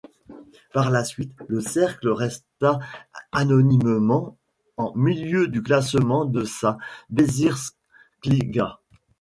Par la suite, le cercle resta anonymement en milieu du classement de sa Bezirksliga.